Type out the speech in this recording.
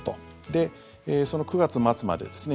で、その９月末までですね。